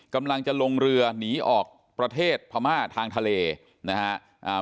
กำลังจะลงเรือหนีออกประเทศพม่าทางทะเลนะครับ